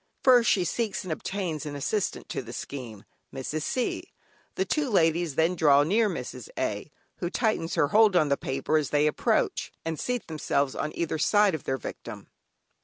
First she seeks and obtains an assistant to the scheme, Mrs. C. The two ladies then draw near Mrs. A. (who tightens her hold on the paper as they approach) and seat themselves on either side of their victim.